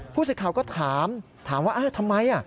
ผู้สื่อข่าวก็ถามถามว่าทำไม